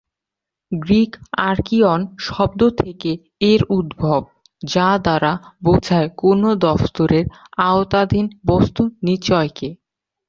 Greek ‘আর্কিয়ন’ শব্দ থেকে এর উদ্ভব, যা দ্বারা বোঝায় কোনো দফতরের আয়ত্তাধীন বস্ত্তনিচয়কে।